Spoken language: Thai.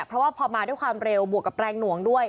เพราะว่าพอมาด้วยความเร็วบวกกับแรงหน่วงด้วย